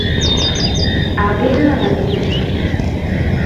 A brida abatuda.